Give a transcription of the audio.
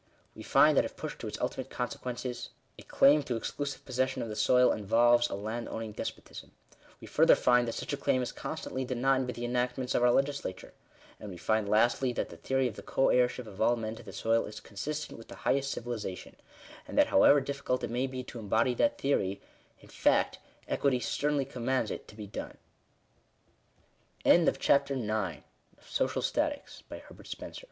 We find that if pushed to its ulti mate consequences, a claim to exclusive possession of the soil involves a landowning despotism. We further find that such a claim is constantly denied by the enactments of our legislature. And we find lastly, that the theory of the co heirship of all men to the soil, is consistent with the highest civilization ; and that, however difficult it may be to embody that theory in fact, Equity sternly commands i